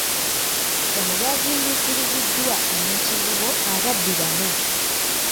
Bano baaziindukiriziddwa e Nakivubo ababbi bana.